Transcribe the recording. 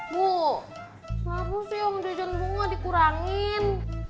bu kenapa sih om dejan bu gak dikurangin